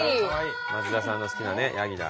松田さんの好きなねヤギだ。